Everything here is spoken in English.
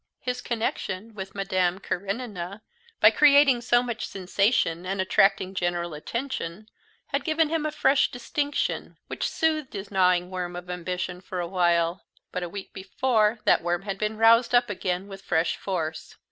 His connection with Madame Karenina, by creating so much sensation and attracting general attention, had given him a fresh distinction which soothed his gnawing worm of ambition for a while, but a week before that worm had been roused up again with fresh force.